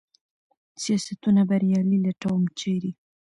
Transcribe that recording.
سیاستونه بریالي لټوم ، چېرې ؟